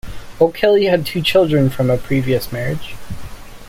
O'Kelley had two children from a previous marriage.